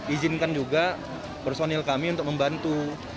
izinkan juga personil kami untuk membantu